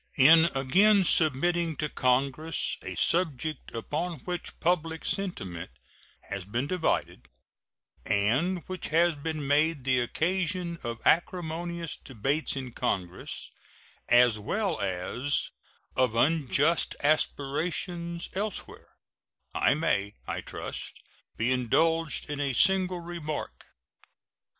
In again submitting to Congress a subject upon which public sentiment has been divided, and which has been made the occasion of acrimonious debates in Congress, as well as of unjust aspersions elsewhere, I may, I trust, be indulged in a single remark.